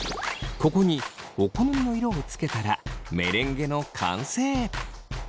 ここにお好みの色をつけたらメレンゲの完成！